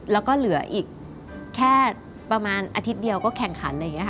แล้วก็เหลือแค่อาทิตย์เดียวก็แข่งขันเลย